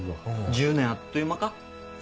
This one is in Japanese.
１０年あっという間か？